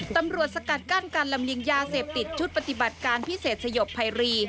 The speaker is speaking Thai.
ตำรวจสกัดกั้นการลำลิงยาเสพติดชุดปฏิบัติการพิเศษสยบไพรี